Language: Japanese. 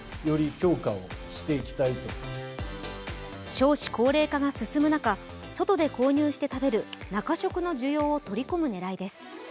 少子高齢化が進む中、外で購入して食べる中食の需要を取り込む狙いです。